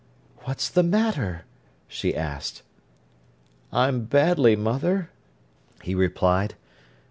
"What's the matter?" she asked. "I'm badly, mother!" he replied.